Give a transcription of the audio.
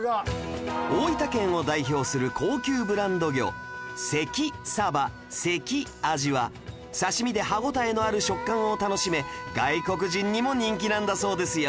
大分県を代表する高級ブランド魚関さば関あじは刺し身で歯応えのある食感を楽しめ外国人にも人気なんだそうですよ